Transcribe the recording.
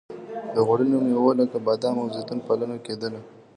د غوړینو میوو لکه بادام او زیتون پالنه کیدله.